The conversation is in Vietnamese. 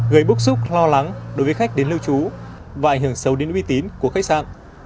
gây bức xúc lo lắng đối với khách đến lưu trú và ảnh hưởng sâu đến uy tín của khách sạn